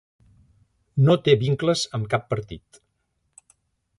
No té vincles amb cap partit.